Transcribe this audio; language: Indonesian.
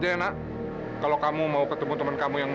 mending lo datang ke tempat gue